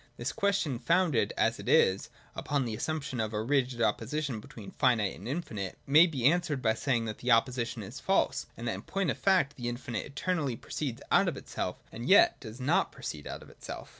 This question, founded, as it is, upon the assumption of a rigid opposition between finite and infinite, may be answered by saying that 176 THE DOCTRINE OF BEING. [94, 95 the opposition is false, and that in point of fact the infinite eternally proceeds out of itself, and yet does not proceed out of itself.